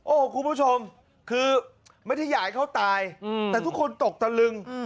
โอ้โหคุณผู้ชมคือไม่ได้อยากให้เขาตายแต่ทุกคนตกตะลึง